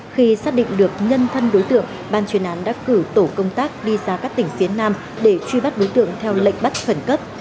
khi xác định được nhân thân đối tượng ban chuyên án đã cử tổ công tác đi ra các tỉnh phía nam để truy bắt đối tượng theo lệnh bắt khẩn cấp